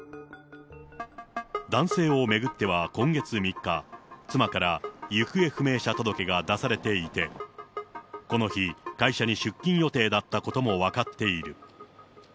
男性を巡っては今月３日、妻から行方不明者届が出されていて、この日、会社に出勤予定だったことも分かっている。